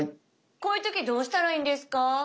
こういう時どうしたらいいんですか？